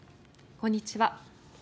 こんにちは。